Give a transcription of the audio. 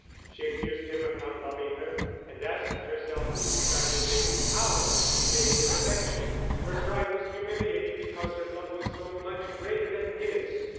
She accused him of not loving her, and asked herself distractedly how to gain his affection; her pride was humiliated because her love was so much greater than his.